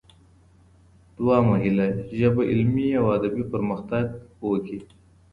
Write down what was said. دويمه هيله: ژبه علمي او ادبي پرمختګ وکړي.